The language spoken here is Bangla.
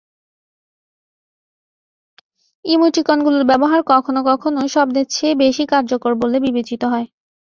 ইমোটিকনগুলোর ব্যবহার কখনো কখনো শব্দের চেয়ে বেশি কার্যকর বলে বিবেচিত হয়।